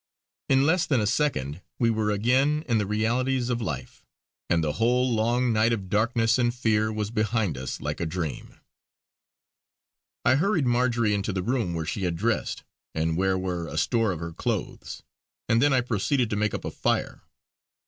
In less than a second we were again in the realities of life; and the whole long night of darkness and fear was behind us like a dream. I hurried Marjory into the room where she had dressed, and where were a store of her clothes; and then I proceeded to make up a fire.